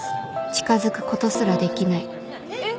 近づくことすらできないねっ？